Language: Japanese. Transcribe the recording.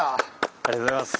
ありがとうございます。